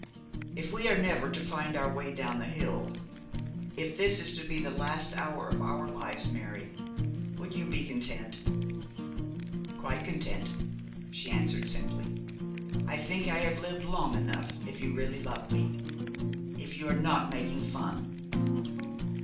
'If we are never to find our way down the hill; if this were to be the last hour of our lives, Mary, would you be content?' 'Quite content,' she answered, simply. 'I think I have lived long enough, if you really love me if you are not making fun.'